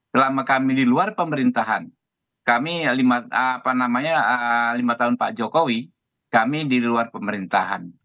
selama kami di luar pemerintahan kami lima tahun pak jokowi kami di luar pemerintahan